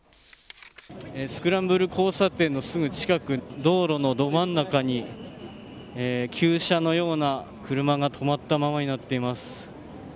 スクランブル交差点のすぐ近く道路のど真ん中に旧車のような車が止まったままになっています。